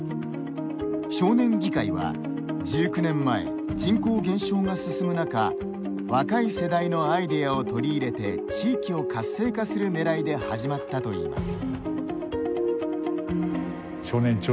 少年議会は１９年前、人口減少が進む中若い世代のアイデアを取り入れて地域を活性化するねらいで始まったといいます。